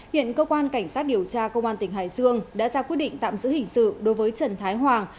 hiện cơ quan cảnh sát điều tra công an tỉnh hải dương đã ra quyết định tạm giữ hình sự đối với trần thái hoàng